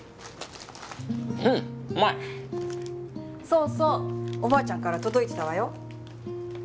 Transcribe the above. そうそうおばあちゃんから届いてたわよ。